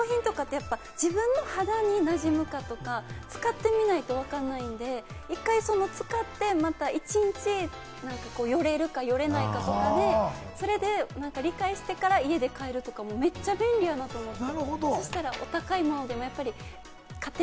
結局、化粧品とかって自分の肌になじむとか使ってみないとわかんないんで、１回使って、一日よれるか、よれないか、それで理解してから家で買えるってめっちゃ便利やなって。